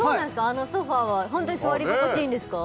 あのソファはホントに座り心地いいんですか？